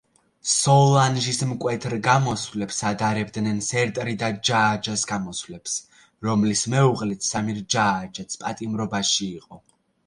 სოლანჟის მკვეთრ გამოსვლებს ადარებდნენ სერტრიდა ჯააჯაას გამოსვლებს, რომლის მეუღლეც სამირ ჯააჯააც პატიმრობაში იყო.